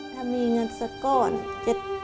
ถ้ามีเงินสักก็